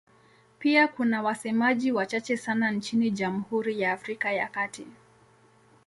Pia kuna wasemaji wachache sana nchini Jamhuri ya Afrika ya Kati.